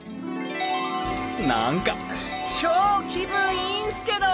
何か超気分いいんすけど！